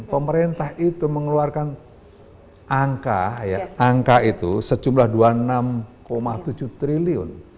pemerintah itu mengeluarkan angka angka itu sejumlah rp dua puluh enam tujuh triliun